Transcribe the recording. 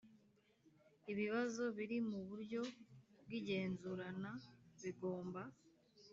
Ibibazo biri mu buryo bw igenzurana bigomba